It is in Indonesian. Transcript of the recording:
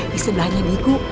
di sebelahnya diego